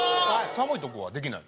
寒いとこはできない？